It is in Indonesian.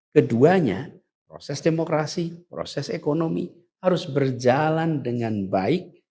keduanya proses demokrasi proses ekonomi harus berjalan dengan baik